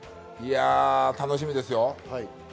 楽しみです。